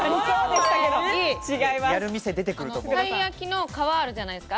たいやきの皮あるじゃないですか。